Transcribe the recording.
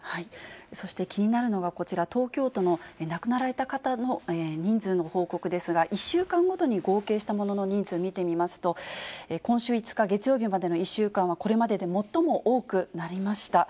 そして気になるのがこちら、東京都の亡くなられた方の人数の報告ですが、１週間ごとに合計したものの人数、見てみますと、今週５日月曜日までの１週間はこれまでで最も多くなりました。